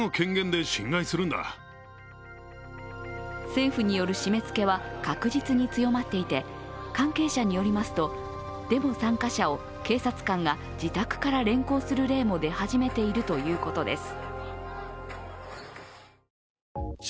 政府による締めつけは確実に強まっていて関係者によりますとデモ参加者を警察官が自宅から連行する例も出始めているということです。